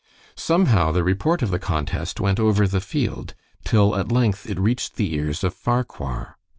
Somehow the report of the contest went over the field, till at length it reached the ears of Farquhar.